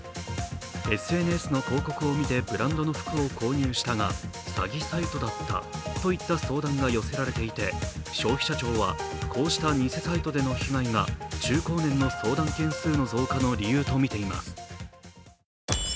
ＳＮＳの広告を見てブランドの服を購入したが、詐欺サイトだったといった相談が寄せられていて、消費者庁はこうした偽サイトでの被害が中高年の相談件数の増加の理由とみています。